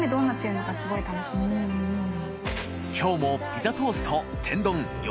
磴腓Δピザトースト天丼